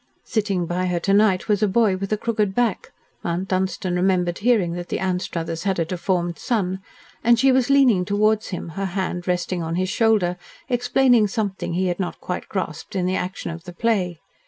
Sitting by her to night was a boy with a crooked back Mount Dunstan remembered hearing that the Anstruthers had a deformed son and she was leaning towards him, her hand resting on his shoulder, explaining something he had not quite grasped in the action of the play.